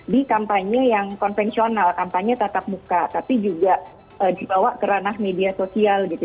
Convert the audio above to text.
di kampanye yang konvensional kampanye tatap muka tapi juga dibawa ke ranah media sosial gitu